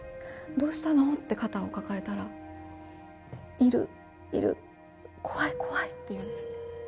どうしたの？って肩を抱えたら、いるいる、怖い怖いって言うんですね。